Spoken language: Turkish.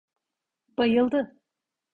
Bayıldı.